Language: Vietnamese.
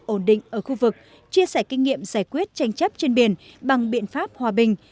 ổn định ở khu vực chia sẻ kinh nghiệm giải quyết tranh chấp trên biển bằng biện pháp hòa bình